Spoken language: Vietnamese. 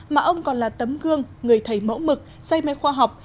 mà ông còn là tấm gương người thầy mẫu mực say mê khoa học